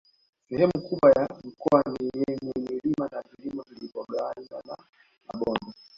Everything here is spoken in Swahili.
Sehemu kubwa ya mkoa ni yenye milima na vilima vilivyogawanywa na mabonde